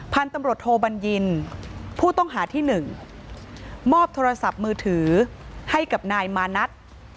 พันธุ์ตำรวจโทบัญญินผู้ต้องหาที่๑มอบโทรศัพท์มือถือให้กับนายมานัท